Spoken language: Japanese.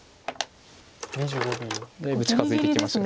だいぶ近づいてきました。